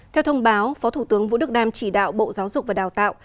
theo thông báo phó thủ tướng vũ đức đam chỉ đạo bộ giáo dục và đào tạo